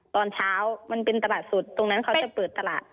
ตอนเช้ามันเป็นตลาดสดตรงนั้นเขาจะเปิดตลาด